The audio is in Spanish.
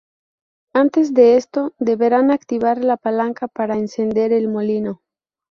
Antes de esto, deberás activar la palanca para encender el molino.